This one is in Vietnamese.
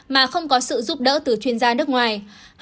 mà không có sự giúp đỡ từ chuyên gia nước ngoài